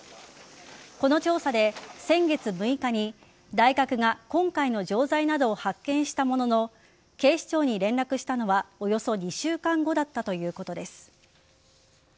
この調査で先月６日に大学が今回の錠剤などを発見したものの警視庁に連絡したのはおよそ２週間後だったということです。